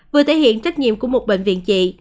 vừa thể hiện trách nhiệm của một bệnh viện chị